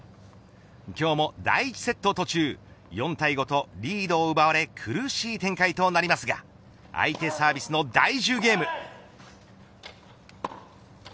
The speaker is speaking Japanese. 今日も第１セット途中４対５とリードを奪われ苦しい展開となりますが相手サービスの第１０ゲーム。